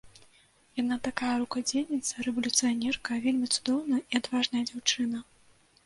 Яна такая рукадзельніца, рэвалюцыянерка, вельмі цудоўная і адважная дзяўчына.